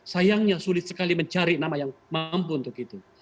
sayangnya sulit sekali mencari nama yang mampu untuk itu